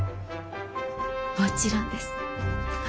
もちろんです。